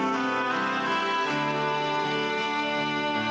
gak bakal jadi satu